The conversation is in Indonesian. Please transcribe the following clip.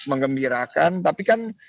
mengembirakan tapi kan